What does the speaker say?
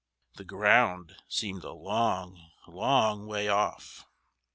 The ground seemed a long, long way off!